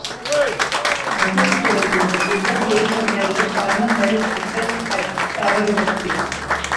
— Ғәфү итегеҙ инде, детдом директорына әйтеп ҡараным, дәрес бөткәс ҡайтарырбыҙ тип.